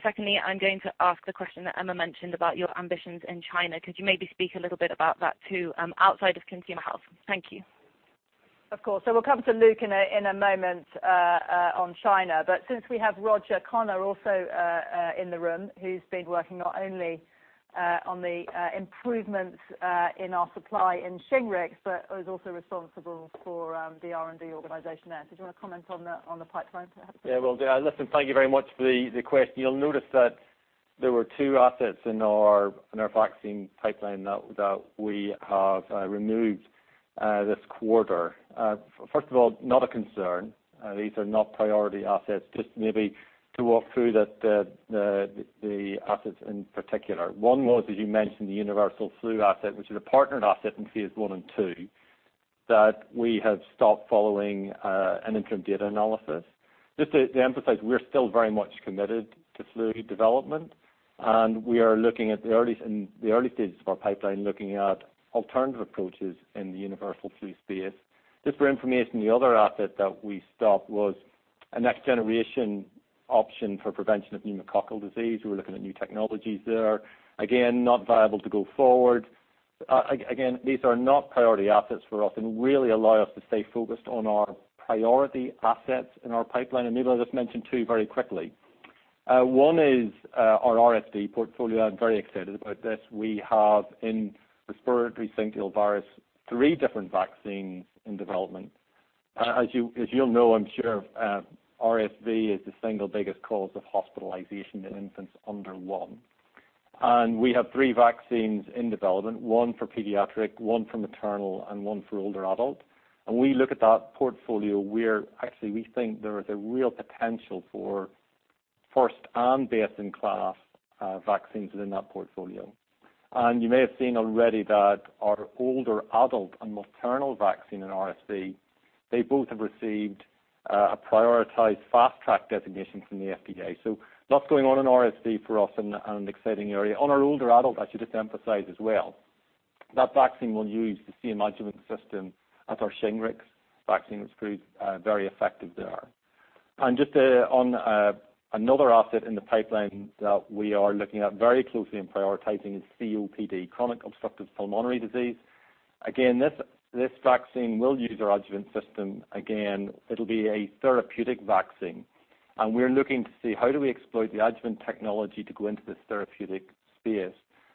Secondly, I'm going to ask the question that Emma mentioned about your ambitions in China. Could you maybe speak a little bit about that, too, outside of Consumer Health? Thank you. Of course. We'll come to Luke in a moment on China. Since we have Roger Connor also in the room, who's been working not only on the improvements in our supply in Shingrix but is also responsible for the R&D organization there. Do you want to comment on the pipeline, perhaps? Yeah, will do. Listen, thank you very much for the question. You'll notice that there were two assets in our vaccine pipeline that we have removed this quarter. First of all, not a concern. These are not priority assets. Just maybe to walk through the assets in particular. One was, as you mentioned, the universal flu asset, which is a partnered asset in phase I and II, that we have stopped following an interim data analysis. Just to emphasize, we're still very much committed to flu development. We are looking at the early stages of our pipeline, looking at alternative approaches in the universal flu space. Just for information, the other asset that we stopped was a next generation option for prevention of pneumococcal disease. We were looking at new technologies there. Again, not viable to go forward. Again, these are not priority assets for us. Really allow us to stay focused on our priority assets in our pipeline. Maybe I'll just mention two very quickly. One is our RSV portfolio. I'm very excited about this. We have in respiratory syncytial virus, three different vaccines in development. As you'll know, I'm sure, RSV is the single biggest cause of hospitalization in infants under one. We have three vaccines in development, one for pediatric, one for maternal, and one for older adult. We look at that portfolio where actually we think there is a real potential for first and best-in-class vaccines within that portfolio. You may have seen already that our older adult and maternal vaccine in RSV, they both have received a prioritized fast track designation from the FDA. Lots going on in RSV for us and an exciting area. On our older adult, I should just emphasize as well. That vaccine will use the same adjuvant system as our Shingrix vaccine, which proved very effective there. Just on another asset in the pipeline that we are looking at very closely and prioritizing is COPD, chronic obstructive pulmonary disease. This vaccine will use our adjuvant system. It'll be a therapeutic vaccine. We're looking to see how do we exploit the adjuvant technology to go into this therapeutic space.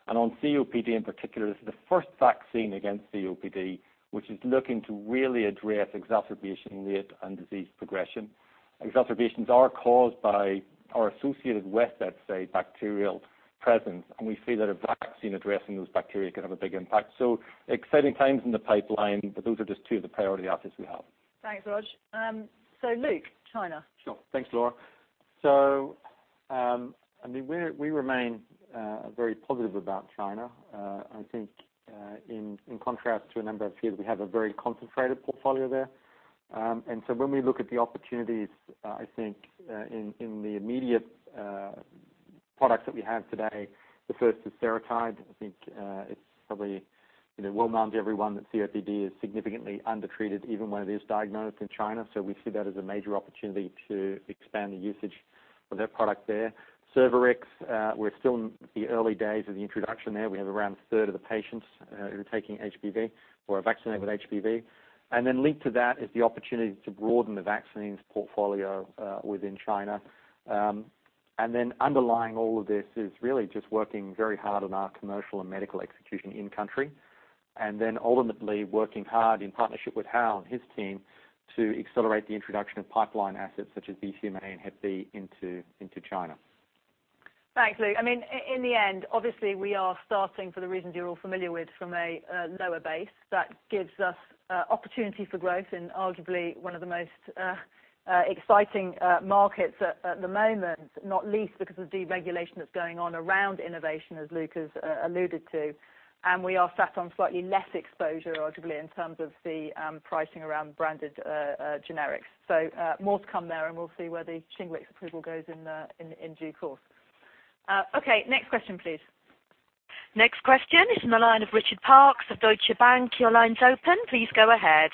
On COPD in particular, this is the first vaccine against COPD, which is looking to really address exacerbation rate and disease progression. Exacerbations are caused by or associated with, let's say, bacterial presence, and we feel that a vaccine addressing those bacteria can have a big impact. Exciting times in the pipeline, but those are just two of the priority assets we have. Thanks, Roger. Luke, China. Sure. Thanks, Laura. We remain very positive about China. I think, in contrast to a number of peers, we have a very concentrated portfolio there. When we look at the opportunities, I think, in the immediate products that we have today, the first is Seretide. I think it's probably well-known to everyone that COPD is significantly undertreated, even when it is diagnosed in China. We see that as a major opportunity to expand the usage of that product there. Cervarix, we're still in the early days of the introduction there. We have around a third of the patients who are taking HPV or are vaccinated with HPV. Linked to that is the opportunity to broaden the vaccines portfolio within China. Underlying all of this is really just working very hard on our commercial and medical execution in country. Ultimately working hard in partnership with Hal and his team to accelerate the introduction of pipeline assets such as BCMA and Hepatitis B into China. Thanks, Luke. In the end, obviously, we are starting for the reasons you're all familiar with from a lower base. That gives us opportunity for growth in arguably one of the most exciting markets at the moment, not least because of the deregulation that's going on around innovation, as Luke has alluded to. We are sat on slightly less exposure, arguably, in terms of the pricing around branded generics. More to come there, and we'll see where the Shingrix approval goes in due course. Okay, next question, please. Next question is on the line of Richard Parkes of Deutsche Bank. Your line's open. Please go ahead.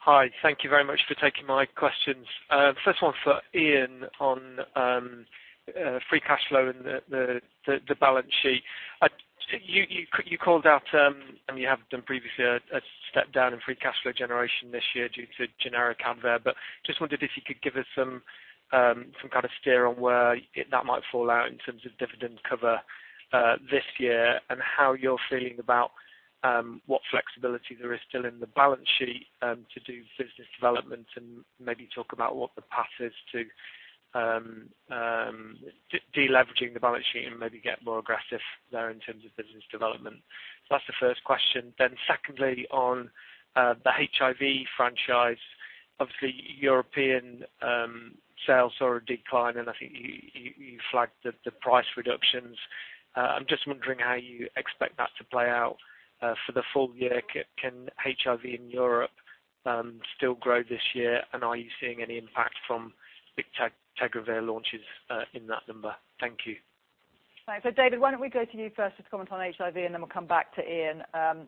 Hi. Thank you very much for taking my questions. First one for Ian on free cash flow and the balance sheet. You called out, and you have done previously, a step down in free cash flow generation this year due to generic ADVAIR, but just wondered if you could give us some kind of steer on where that might fall out in terms of dividend cover this year, and how you're feeling about what flexibility there is still in the balance sheet to do business development and maybe talk about what the path is to de-leveraging the balance sheet and maybe get more aggressive there in terms of business development. That's the first question. Secondly, on the HIV franchise, obviously European sales saw a decline, and I think you flagged the price reductions. I'm just wondering how you expect that to play out for the full year. Can HIV in Europe still grow this year? Are you seeing any impact from big dolutegravir launches in that number? Thank you. David, why don't we go to you first to comment on HIV, and then we'll come back to Ian.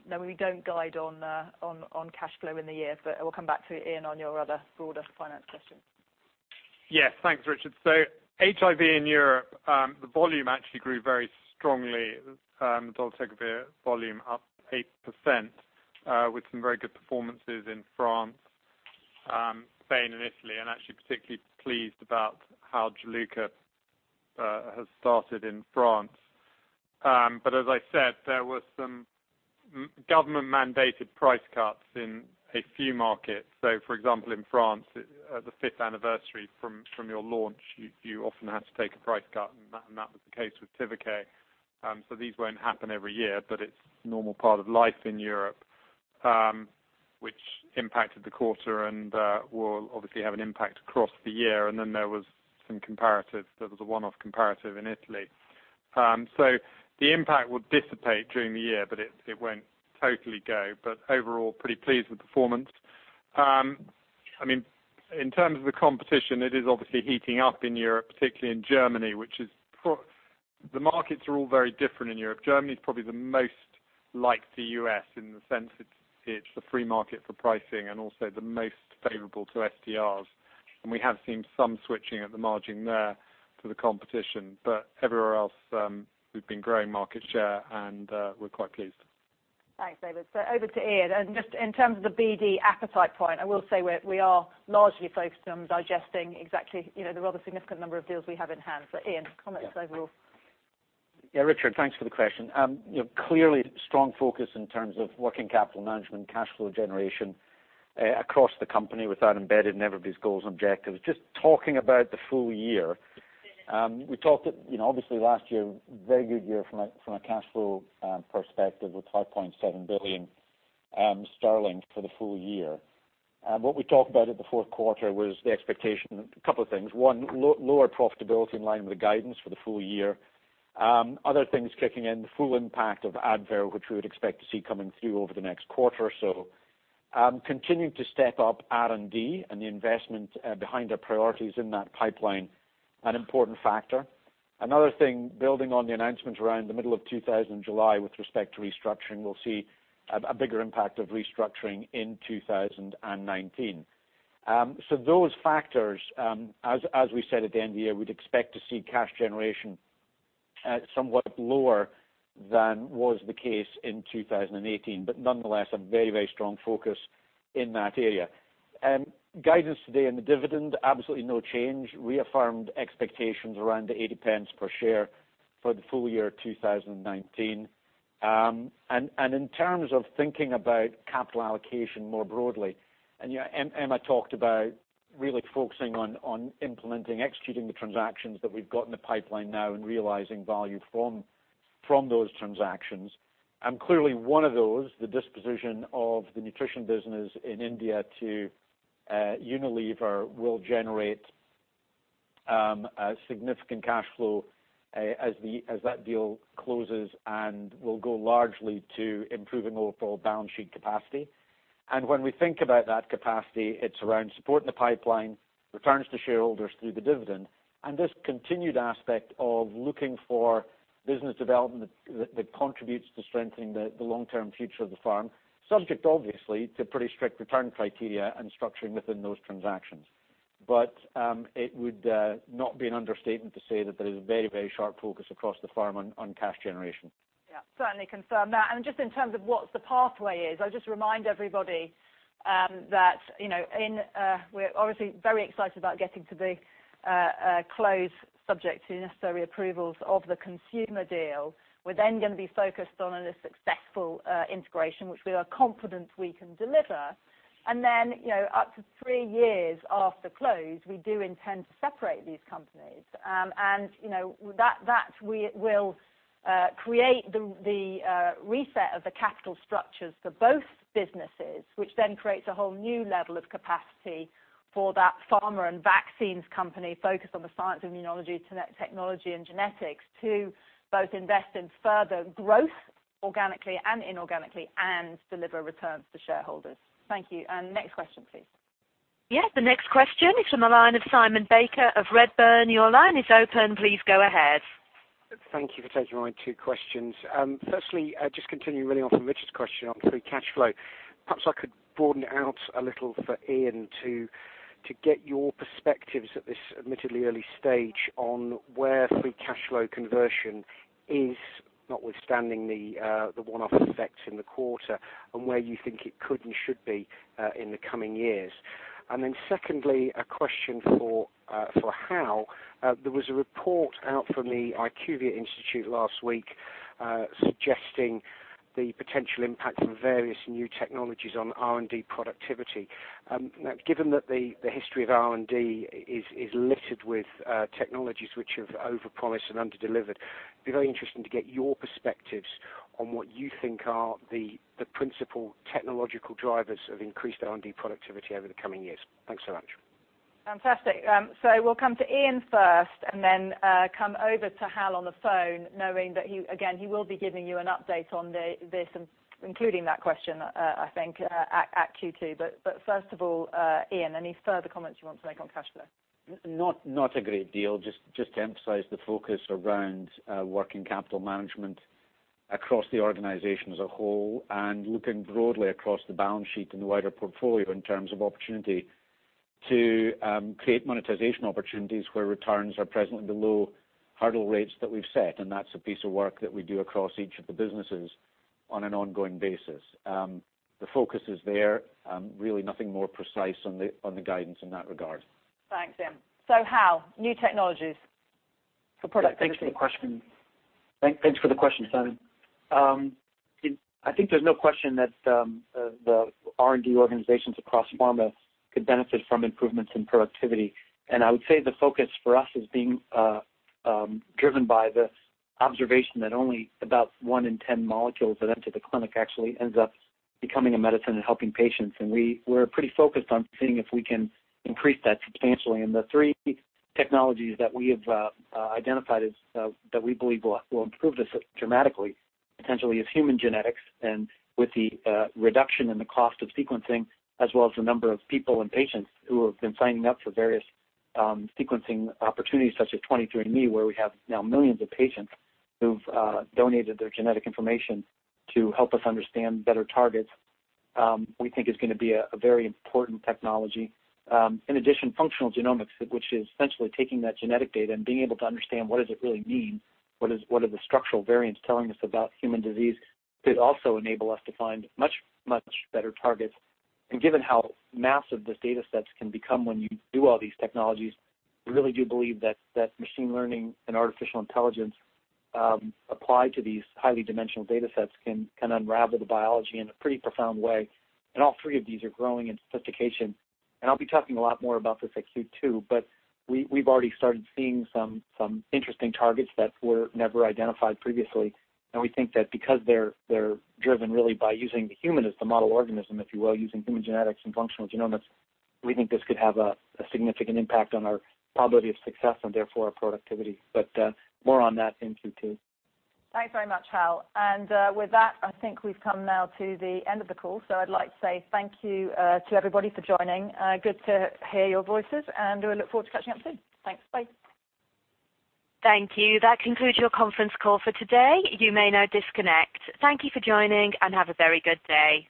No, we don't guide on cash flow in the year, but we'll come back to Ian on your other broader finance question. Yes. Thanks, Richard. HIV in Europe, the volume actually grew very strongly. The dolutegravir volume up 8% with some very good performances in France, Spain, and Italy, and actually particularly pleased about how Gilead has started in France. As I said, there were some government-mandated price cuts in a few markets. For example, in France, the fifth anniversary from your launch, you often have to take a price cut, and that was the case with Tivicay. These won't happen every year, but it's a normal part of life in Europe, which impacted the quarter and will obviously have an impact across the year. There was some comparatives. There was a one-off comparative in Italy. The impact will dissipate during the year, but it won't totally go. Overall, pretty pleased with performance. In terms of the competition, it is obviously heating up in Europe, particularly in Germany. The markets are all very different in Europe. Germany is probably the most like the U.S. in the sense it's the free market for pricing and also the most favorable to STRs. We have seen some switching at the margin there to the competition. Everywhere else, we've been growing market share, and we're quite pleased. Thanks, David. Over to Ian. Just in terms of the BD appetite point, I will say we are largely focused on digesting exactly the rather significant number of deals we have in-house. Ian, comments overall. Richard, thanks for the question. Clearly strong focus in terms of working capital management and cash flow generation across the company with that embedded in everybody's goals and objectives. Just talking about the full year. Obviously last year, very good year from a cash flow perspective with 5.7 billion sterling for the full year. What we talked about at the fourth quarter was the expectation, a couple of things. One, lower profitability in line with the guidance for the full year. Other things kicking in, the full impact of ADVAIR, which we would expect to see coming through over the next quarter or so Continuing to step up R&D and the investment behind our priorities in that pipeline, an important factor. Another thing, building on the announcement around the middle of 2000 July with respect to restructuring, we'll see a bigger impact of restructuring in 2019. Those factors, as we said at the end of the year, we'd expect to see cash generation somewhat lower than was the case in 2018. Nonetheless, a very strong focus in that area. Guidance today on the dividend, absolutely no change. Reaffirmed expectations around the 0.80 per share for the full year 2019. In terms of thinking about capital allocation more broadly, Emma talked about really focusing on implementing, executing the transactions that we've got in the pipeline now and realizing value from those transactions. Clearly one of those, the disposition of the nutrition business in India to Unilever, will generate a significant cash flow as that deal closes and will go largely to improving overall balance sheet capacity. When we think about that capacity, it's around supporting the pipeline, returns to shareholders through the dividend, and this continued aspect of looking for business development that contributes to strengthening the long-term future of the firm, subject obviously to pretty strict return criteria and structuring within those transactions. It would not be an understatement to say that there is a very sharp focus across the firm on cash generation. Certainly confirm that. Just in terms of what the pathway is, I would just remind everybody that we're obviously very excited about getting to the close subject to the necessary approvals of the consumer deal. We're then going to be focused on a successful integration, which we are confident we can deliver. Up to 3 years after close, we do intend to separate these companies. That will create the reset of the capital structures for both businesses, which then creates a whole new level of capacity for that pharma and vaccines company focused on the science of immunology, technology and genetics to both invest in further growth organically and inorganically and deliver returns to shareholders. Thank you. Next question, please. The next question is from the line of Simon Baker of Redburn. Your line is open. Please go ahead. Thank you for taking my two questions. Firstly, just continuing really off of Richard's question on free cash flow, perhaps I could broaden it out a little for Ian to get your perspectives at this admittedly early stage on where free cash flow conversion is, notwithstanding the one-off effects in the quarter, and where you think it could and should be in the coming years. Secondly, a question for Hal. There was a report out from the IQVIA Institute last week suggesting the potential impact of various new technologies on R&D productivity. Given that the history of R&D is littered with technologies which have overpromised and underdelivered, it'd be very interesting to get your perspectives on what you think are the principal technological drivers of increased R&D productivity over the coming years. Thanks so much. Fantastic. We'll come to Ian first and then come over to Hal on the phone, knowing that he, again, will be giving you an update on this, including that question, I think, at Q2. First of all, Ian, any further comments you want to make on cash flow? Not a great deal, just to emphasize the focus around working capital management across the organization as a whole and looking broadly across the balance sheet and the wider portfolio in terms of opportunity to create monetization opportunities where returns are presently below hurdle rates that we've set. That's a piece of work that we do across each of the businesses on an ongoing basis. The focus is there. Really nothing more precise on the guidance in that regard. Thanks, Iain. Hal, new technologies for productivity. Thanks for the question, Simon. I think there's no question that the R&D organizations across pharma could benefit from improvements in productivity. I would say the focus for us is being driven by the observation that only about one in 10 molecules that enter the clinic actually ends up becoming a medicine and helping patients. We're pretty focused on seeing if we can increase that substantially. The three technologies that we have identified that we believe will improve this dramatically, potentially, is human genetics, with the reduction in the cost of sequencing, as well as the number of people and patients who have been signing up for various sequencing opportunities, such as 23andMe, where we have now millions of patients who've donated their genetic information to help us understand better targets, we think is going to be a very important technology. In addition, functional genomics, which is essentially taking that genetic data and being able to understand what does it really mean, what are the structural variants telling us about human disease, could also enable us to find much, much better targets. Given how massive these data sets can become when you do all these technologies, we really do believe that machine learning and artificial intelligence applied to these highly dimensional data sets can unravel the biology in a pretty profound way. All three of these are growing in sophistication. I'll be talking a lot more about this at Q2, but we've already started seeing some interesting targets that were never identified previously. We think that because they're driven really by using the human as the model organism, if you will, using human genetics and functional genomics, we think this could have a significant impact on our probability of success and therefore our productivity. More on that in Q2. Thanks very much, Hal. With that, I think we've come now to the end of the call. I'd like to say thank you to everybody for joining. Good to hear your voices, and we look forward to catching up soon. Thanks. Bye. Thank you. That concludes your conference call for today. You may now disconnect. Thank you for joining, and have a very good day.